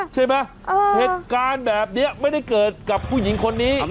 เหตุการณ์แบบนี้ไม่ได้เกิดกับผู้หญิงคนนี้